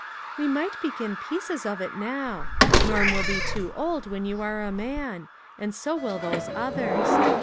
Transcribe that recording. " We might begin pieces of it now. Norm will be too old when you are a man ; and so will those others.